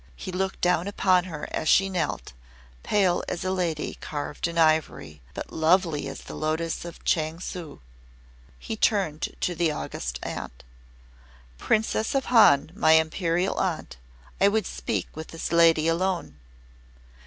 He looked down upon her as she knelt, pale as a lady carved in ivory, but lovely as the lotus of Chang Su. He turned to the August Aunt. "Princess of Han, my Imperial Aunt, I would speak with this lady alone."